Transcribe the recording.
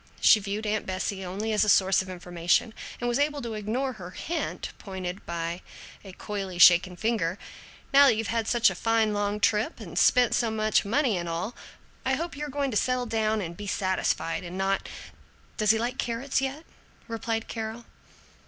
she viewed Aunt Bessie only as a source of information, and was able to ignore her hint, pointed by a coyly shaken finger, "Now that you've had such a fine long trip and spent so much money and all, I hope you're going to settle down and be satisfied and not " "Does he like carrots yet?" replied Carol.